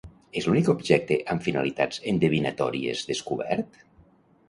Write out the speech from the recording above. És l'únic objecte amb finalitats endevinatòries descobert?